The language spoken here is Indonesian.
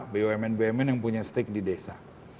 bumn bumn yang punya stake di desa